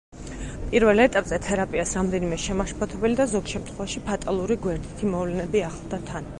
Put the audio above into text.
პირველ ეტაპზე თერაპიას რამდენიმე შემაშფოთებელი და ზოგ შემთხვევაში, ფატალური გვერდითი მოვლენები ახლდა თან.